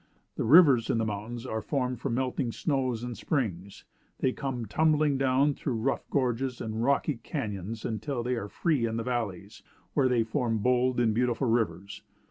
The rivers in the mountains are formed from melting snows and springs. They come tumbling down through rough gorges and rocky cañons, until they are free in the valleys, where, they form bold and beautiful rivers.